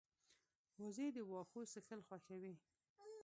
وزې د واښو څکل خوښوي